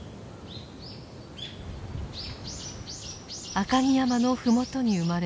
赤城山の麓に生まれ